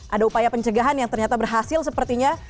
ada upaya pencegahan yang ternyata berhasil sepertinya